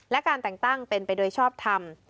และการแต่งตั้งเป็นไปด้วยชอบธรรม